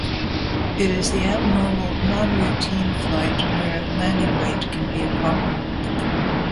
It is the abnormal, non-routine flight where landing weight can be a problem.